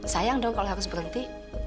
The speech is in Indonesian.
sayang dong kalau harus berhenti